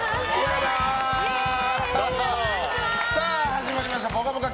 始まりました「ぽかぽか」